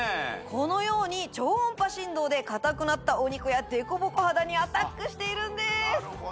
このように超音波振動で硬くなったお肉やデコボコ肌にアタックしているんです